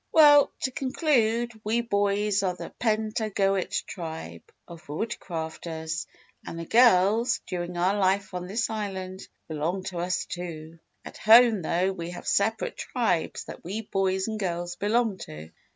"Well, to conclude, we boys are the Pentagoet Tribe of Woodcrafters and the girls, during our life on this Island, belong to us, too. At home, though, we have separate tribes that we boys and girls belong to.